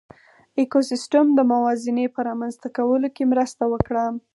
ایکوسېسټم د موازنې په رامنځ ته کولو کې مرسته وکړه.